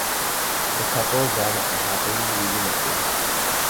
The couple then are happily reunited.